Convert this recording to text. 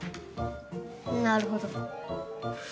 なるほど。